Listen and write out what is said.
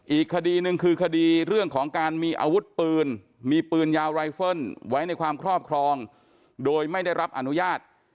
อีกคดีหนึ่งคือคดีเรื่องของการมีอาวุธปืนมีปืนยาวไรเฟิลไว้ในความครอบครองโดยไม่ได้รับอนุญาต